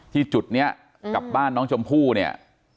จุดนี้กับบ้านน้องชมพู่เนี่ย